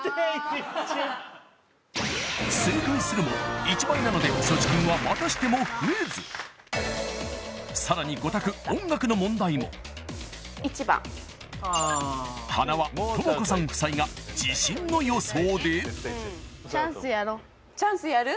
正解するも１倍なので所持金はまたしても増えずさらに５択音楽の問題も１番ああはなわ智子さん夫妻が自信の予想でチャンスやる？